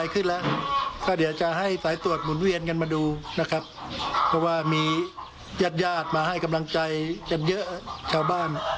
คุณวิเชียร์ครับ